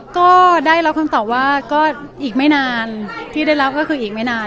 ก็ได้รับคำตอบว่าอีกไม่นาน